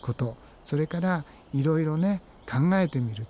それからいろいろ考えてみるっていうこと。